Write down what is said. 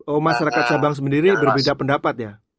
oh masyarakat sabang sendiri berbeda pendapat ya